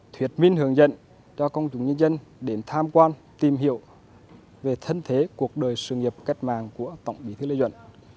thuyết minh hướng dẫn cho công chúng nhân dân đến tham quan tìm hiểu về thân thế cuộc đời sự nghiệp cách mạng của tổng bí thư lê duẩn